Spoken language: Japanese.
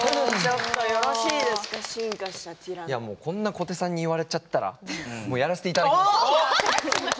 小手さんに言われちゃったらやらせていただきます。